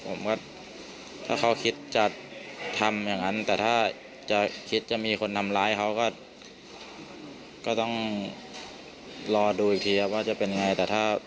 ผมก็ถ้าเขาคิดจะทำอย่างนั้นแต่ถ้าจะคิดจะมีคนทำร้ายเขาก็ต้องรอดูอีกทีครับว่าจะเป็นยังไงแต่ถ้า